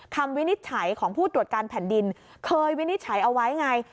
วินิจฉัยของผู้ตรวจการแผ่นดินเคยวินิจฉัยเอาไว้ไง